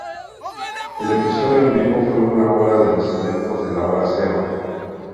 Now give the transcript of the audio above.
El episodio en vivo fue una hora de los eventos de la Hora Cero.